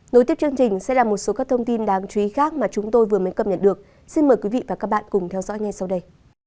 nối tiếp chương trình sẽ là một số các thông tin đáng chú ý khác mà chúng tôi vừa mới cập nhật được xin mời quý vị và các bạn cùng theo dõi ngay sau đây